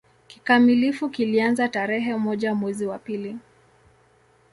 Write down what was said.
Kikamilifu kilianza tarehe moja mwezi wa pili